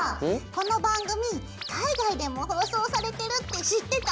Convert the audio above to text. この番組海外でも放送されてるって知ってた？